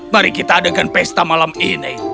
mari kita adakan pesta malam ini